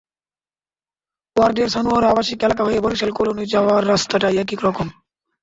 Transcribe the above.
ওয়ার্ডের সানোয়ারা আবাসিক এলাকা হয়ে বরিশাল কলোনি যাওয়ার রাস্তাটাও একই রকম।